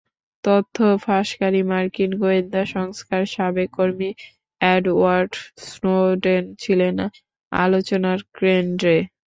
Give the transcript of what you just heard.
তথ্য ফাঁসকারী মার্কিন গোয়েন্দা সংস্থার সাবেক কর্মী অ্যাডওয়ার্ড স্নোডেন ছিলেন আলোচনার কেন্দ্রে।